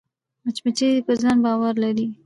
مچمچۍ پر ځان باور لري